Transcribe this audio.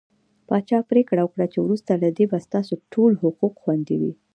پاچا پرېکړه وکړه چې وروسته له دې به ستاسو ټول حقوق خوندي وي .